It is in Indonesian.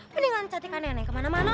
mendingan catikan nenek kemana mana tuh